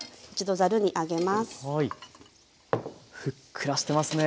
ふっくらしてますね。